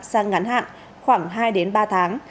sang ngắn hạn khoảng hai ba tháng